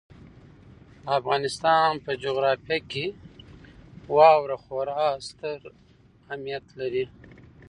د افغانستان په جغرافیه کې واوره خورا ستر اهمیت لري.